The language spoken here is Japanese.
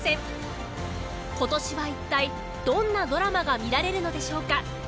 今年は一体どんなドラマが見られるのでしょうか？